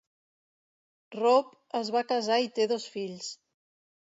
Roop es va casar i té dos fills.